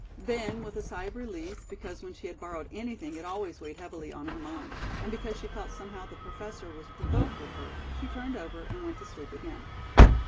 Then, with a sigh of relief, because when she had borrowed anything it always weighed heavily on her mind, and because she felt somehow that the Professor was provoked with her, she turned over and went to sleep again.